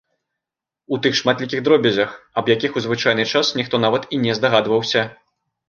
У тых шматлікіх дробязях, аб якіх у звычайны час ніхто нават і не здагадваўся.